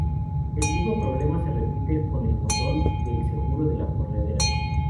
El mismo problema se repite con el botón del seguro de la corredera.